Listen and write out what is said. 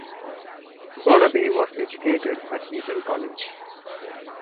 Burnaby was educated at Eton College.